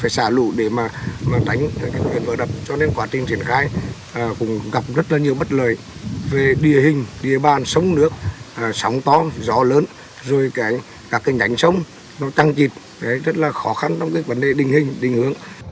sống nước sống to gió lớn rồi cả cái nhánh sông nó trăng chịt rất là khó khăn trong cái vấn đề định hình định hướng